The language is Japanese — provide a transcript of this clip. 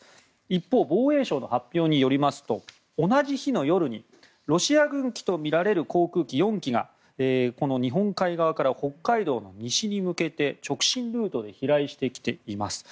一方、防衛省の発表によりますと同じ日の夜にロシア軍機とみられる航空機４機が日本海側から北海道の西に向けて直進ルートで飛来してきています。